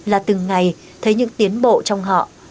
là từng ngày thấy những tiến bộ trong họ